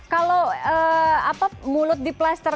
kalau apa mulut diplaster